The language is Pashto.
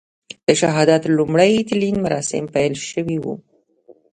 د شهادت لومړي تلین مراسیم پیل شوي و.